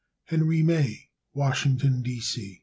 Henry May, Washington, D. C.